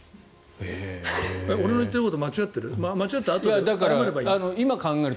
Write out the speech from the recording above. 俺の言ってること間違ってる？